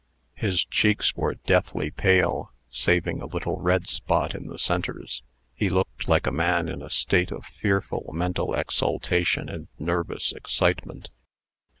His cheeks were deathly pale, saving a little red spot in the centres. He looked like a man in a state of fearful mental exaltation and nervous excitement.